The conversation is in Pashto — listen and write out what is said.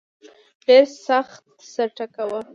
ډېر سخت سر ټکاوه.